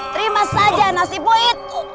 terima saja nasibu itu